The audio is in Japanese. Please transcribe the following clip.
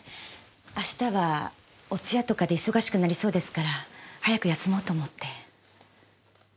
明日はお通夜とかで忙しくなりそうですから早く休もうと思って。